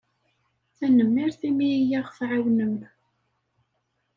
Tanemmirt imi i aɣ-tɛawnem.